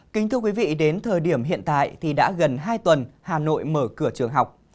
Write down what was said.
kính thưa quý vị đến thời điểm hiện tại thì đã gần hai tuần hà nội mở cửa trường học